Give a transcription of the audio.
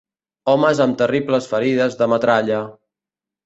Homes amb terribles ferides de metralla